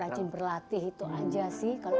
rajin berlatih itu aja sih kalau